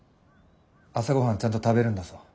朝御飯ちゃんと食べるんだぞ。